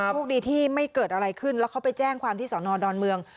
โชคดีที่ไม่เกิดอะไรขึ้นแล้วเขาไปแจ้งความที่สอนอดอนเมือง